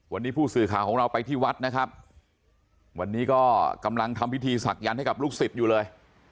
วันนี้ผู้สื่อข่าวของเราไปที่วัดนะครับวันนี้ก็กำลังทำพิธีศักดิ์ให้กับลูกศิษย์อยู่เลย